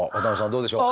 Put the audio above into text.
どうでしょう？